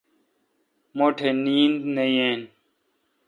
م ٹھ نیند نہ یین۔